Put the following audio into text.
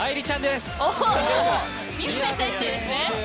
宮部選手ですね。